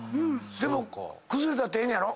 でも崩れたってええねやろ？